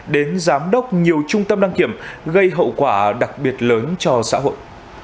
đến giám đốc nhiều trung tâm đăng kiểm gây hậu quả đặc biệt lớn cho xã hội